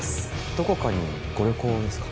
どこかにご旅行ですか